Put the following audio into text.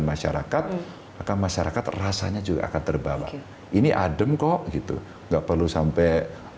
masyarakat maka masyarakat rasanya juga akan terbawa ini adem kok gitu enggak perlu sampai